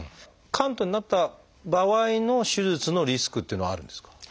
嵌頓になった場合の手術のリスクっていうのはあるんですか？